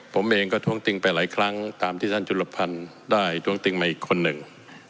ผมเองก็ท้วงติงไปหลายครั้งตามที่ท่านจุลภัณฑ์ได้ท้วงติงมาอีกคนหนึ่ง